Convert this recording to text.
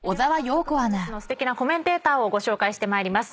では早速本日のすてきなコメンテーターをご紹介してまいります。